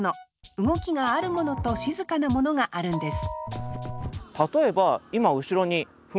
動きがあるものと静かなものがあるんです